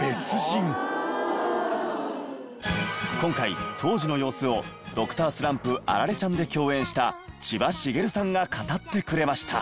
今回当時の様子を『Ｄｒ．スランプアラレちゃん』で共演した千葉繁さんが語ってくれました。